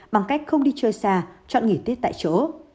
bằng cách không đi chơi xa chọn nghỉ tết tại chỗ